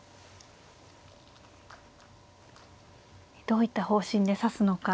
どういった方針で指すのか。